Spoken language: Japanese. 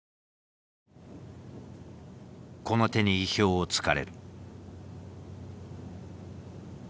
この手に意表をつかれる。